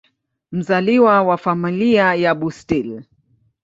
Mzaliwa wa Familia ya Bustill.